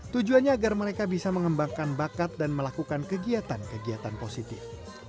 tujuannya agar mereka bisa mengembangkan bakat dan melakukan kegiatan kegiatan positif